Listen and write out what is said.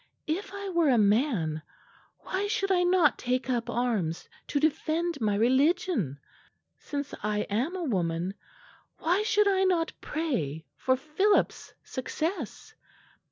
If I were a man, why should I not take up arms to defend my religion? Since I am a woman, why should I not pray for Philip's success?